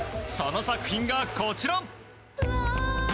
その作品が、こちら。